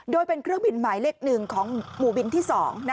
โดยเป็นเครื่องบินหมายเลข๑ของหมู่บินที่๒